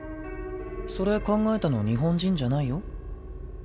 それ考えたの日本人じゃないよ。